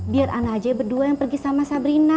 biar saya saja berdua yang pergi sama sabrina